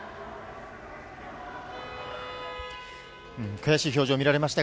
悔しい表情を見られました。